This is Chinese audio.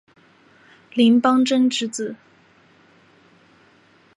林邦桢之子。